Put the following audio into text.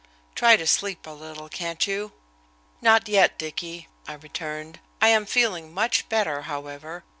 Try to sleep a little, can't you?" "Not yet, Dicky," I returned. "I am feeling much better, however.